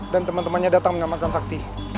dan temen temennya datang mengamalkan sakti